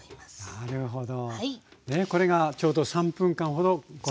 なるほど。